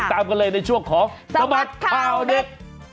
ติดตามกันเลยในช่วงของสบัดข่าวเด็กสบัดข่าวเด็ก